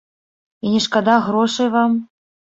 І не шкада грошай вам?